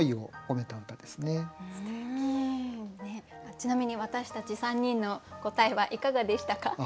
ちなみに私たち３人の答えはいかがでしたか？